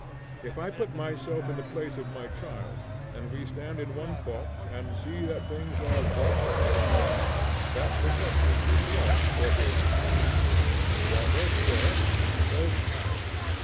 If I put myself in the place of my child, and we stand in one thought and see that things are thus or thus, that perception is law for him and me. We are both there, both act.